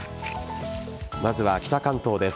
まずは北関東です。